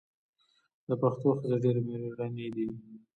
د پښتنو ښځې ډیرې میړنۍ دي.